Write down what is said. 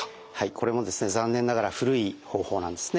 これもですね残念ながら古い方法なんですね。